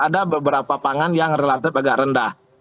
ada beberapa pangan yang relatif agak rendah